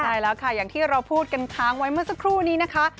ใช่แล้วค่ะอย่างที่เราพูดกันค้างไว้เมื่อสักครู่นี้นะคะ